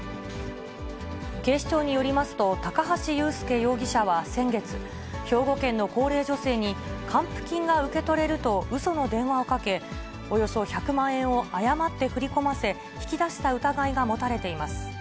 警視庁によりますと、高橋優介容疑者は先月、兵庫県の高齢女性に、還付金が受け取れるとうその電話をかけ、およそ１００万円を誤って振り込ませ、引き出した疑いが持たれています。